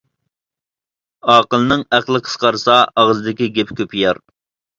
ئاقىلنىڭ ئەقلى قىسقارسا ئاغزىدىكى گېپى كۆپىيەر.